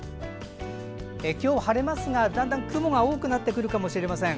今日晴れますが、だんだん雲が多くなってくるかもしれません。